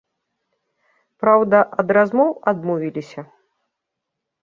Праўда, ад размоў адмовіліся.